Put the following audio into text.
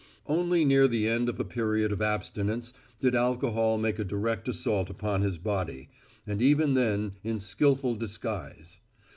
Only near the end of a period of abstinence did alcohol make a direct assault upon his body, and even then in skillful disguise.